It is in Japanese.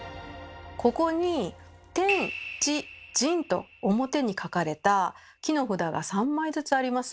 ここに「天」「地」「人」と表に書かれた木の札が３枚ずつあります。